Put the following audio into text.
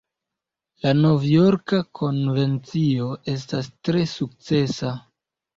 La Novjorka Konvencio estas tre sukcesa.